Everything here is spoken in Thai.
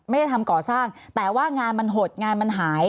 ไม่ได้ทำก่อสร้างแต่ว่างานมันหดงานมันหาย